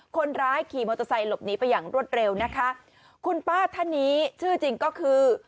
คนร้ายขี่มอเตอร์ไซค์หลบหนีไปอย่างรวดเร็วนะคะคุณป้าท่านนี้ชื่อจริงก็คือ